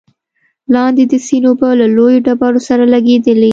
لاندې د سيند اوبه له لويو ډبرو سره لګېدلې،